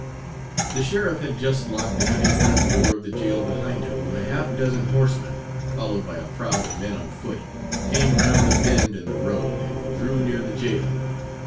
The sheriff had just locked the heavy front door of the jail behind him when a half dozen horsemen, followed by a crowd of men on foot, came round a bend in the road and drew near the jail.